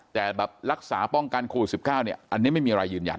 แต่แบบรักษาป้องกันโควิด๑๙เนี่ยอันนี้ไม่มีอะไรยืนยัน